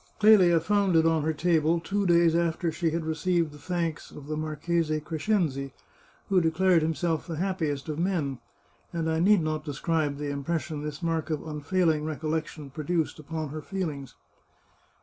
Clelia found it on her table, two days after she had received the thanks of the Marchese Cres cenzi, who declared himself the happiest of men ; and I need not describe the impression this mark of unfailing recollec tion produced upon her feelings.